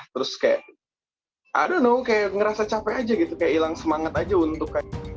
terus kayak i don't know kayak ngerasa capek aja gitu kayak hilang semangat aja untuk